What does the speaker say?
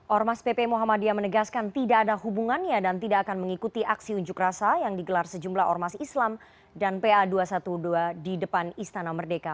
ormas pp muhammadiyah menegaskan tidak ada hubungannya dan tidak akan mengikuti aksi unjuk rasa yang digelar sejumlah ormas islam dan pa dua ratus dua belas di depan istana merdeka